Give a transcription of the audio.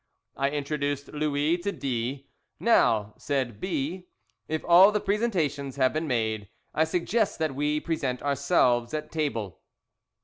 I introduced Louis to D . "Now," said B , "if all the presentations have been made, I suggest that we present ourselves at table."